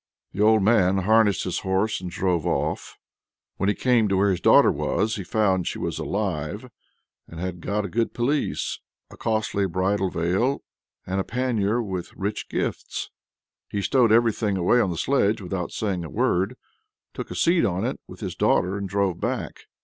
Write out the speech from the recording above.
The old man harnessed his horse and drove off. When he came to where his daughter was, he found she was alive and had got a good pelisse, a costly bridal veil, and a pannier with rich gifts. He stowed everything away on the sledge without saying a word, took his seat on it with his daughter, and drove back.